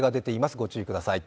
ご注意ください。